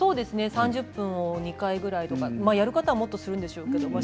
３０分を２回とかやる方はもっとするんでしょうけど。